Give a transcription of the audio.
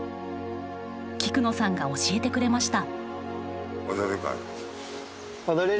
菊野さんが教えてくれました。